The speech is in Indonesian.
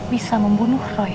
bisa membunuh roy